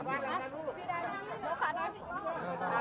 ไม่ได้หยัดแล้วนะ